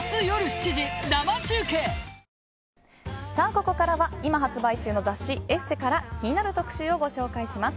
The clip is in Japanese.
ここからは今発売中の雑誌「ＥＳＳＥ」から気になる特集をご紹介します。